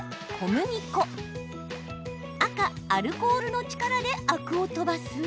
赤アルコールの力でアクを飛ばす？